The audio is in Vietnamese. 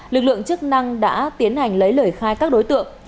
lực lượng chức năng đã tiến hành lấy lời khai các đối tượng